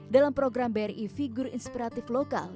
dalam program bri figur inspiratif lokal